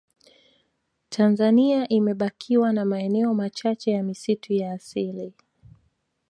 tanzania imebakiwa na maeneo machache ya misitu ya asili